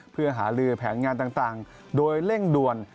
เพื่อหาลือแผนงานต่างโดยเร่งด่วน